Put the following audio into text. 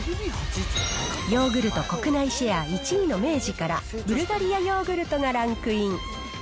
ヨーグルト国内シェア１位の明治から、ブルガリアヨーグルトがランクイン。